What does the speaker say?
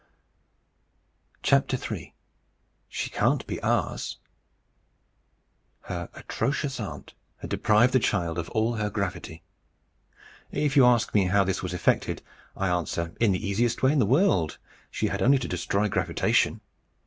III. SHE CAN'T BE OURS Her atrocious aunt had deprived the child of all her gravity. If you ask me how this was effected, I answer, "In the easiest way in the world. She had only to destroy gravitation."